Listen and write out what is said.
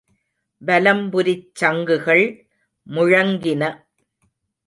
வலம்புரிச் சங்குகள் முழங்கின.